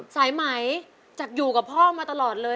สายไหมจากอยู่กับพ่อมาตลอดเลย